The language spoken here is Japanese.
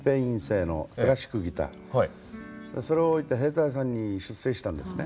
それを置いて兵隊さんに出征したんですね。